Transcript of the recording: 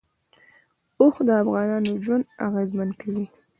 اوښ د افغانانو ژوند اغېزمن کوي.